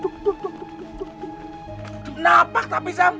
kenapa tapi sam